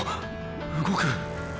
動く。